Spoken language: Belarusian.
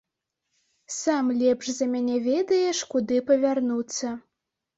Сам лепш за мяне ведаеш, куды павярнуцца.